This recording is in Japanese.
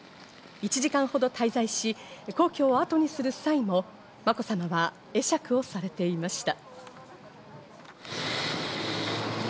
１時間ほど滞在し、皇居を後にする際もまこさまは会釈をされていました。